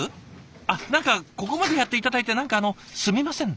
あっ何かここまでやって頂いて何かあのすみません。